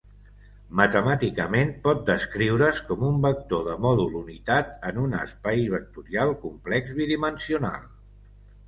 Matemàticament, pot descriure's com un vector de mòdul unitat en un espai vectorial complex bidimensional.